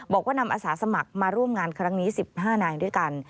บอกว่านำอาสาสมัครมาร่วมงานครั้งนี้๑๕นายด้วยกัน